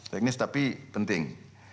teknis tapi penting